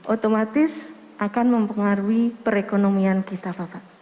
otomatis akan mempengaruhi perekonomian kita bapak